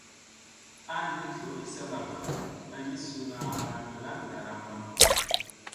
An ni dlomi sabakga may mi suuna halaŋ lam ɗaramma.